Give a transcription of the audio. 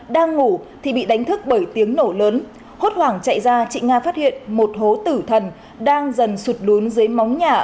đang ngủ thì bị đánh thức bởi tiếng nổ lớn hốt hoảng chạy ra chị nga phát hiện một hố tử thần đang dần sụt lún dưới móng nhà